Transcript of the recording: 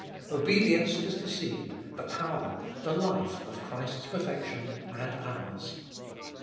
Obedience is the seed, the power, the life of Christ's perfection and ours.